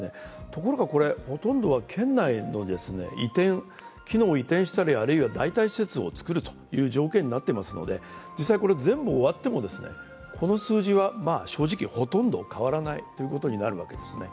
ところがこれ、ほとんどは県内の機能を移転したりあるいは代替施設をつくるという条件になっていますので実際これ、全部終わってもこの数字は正直ほとんど変わらないということになるんですね。